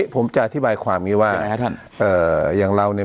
ผมจะอธิบายความงี้ว่าอย่างนั้นฮะท่านเอ่ออย่างเราเนี้ย